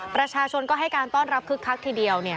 ประชาชนก็ให้การต้อนรับคึกคักทีเดียว